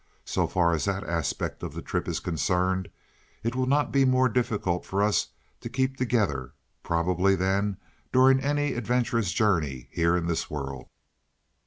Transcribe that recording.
So far as that aspect of the trip is concerned, it will not be more difficult for us to keep together, probably, than during any adventurous journey here in this world.